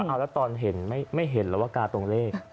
อยากถามว่าตอนเห็นไม่เห็นระวการตรงเลข